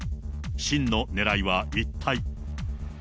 真のねらいは一体。